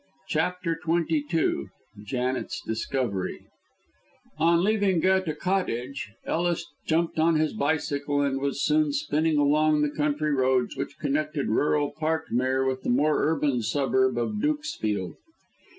CHAPTER XXII JANET'S DISCOVERY On leaving Goethe Cottage, Ellis jumped on his bicycle, and was soon spinning along the country roads which connected rural Parkmere with the more urban suburb of Dukesfield.